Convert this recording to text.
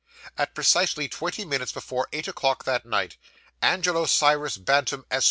At precisely twenty minutes before eight o'clock that night, Angelo Cyrus Bantam, Esq.